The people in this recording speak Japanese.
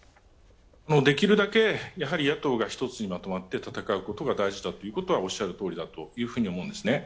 できるだけ、やはり野党が一つにまとまって戦うことが大事だということはおっしゃるとおりだというふうには思うんですね。